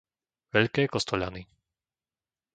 Veľké Kostoľany